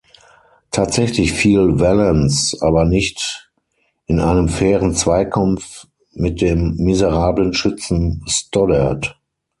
Tatsächlich fiel Valance aber nicht in einem fairen Zweikampf mit dem miserablen Schützen Stoddard.